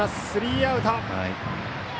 スリーアウト。